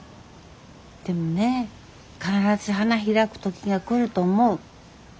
でもね必ず花開く時が来ると思う。